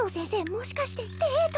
もしかしてデート？